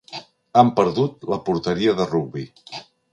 Han perdut la porteria de rugbi.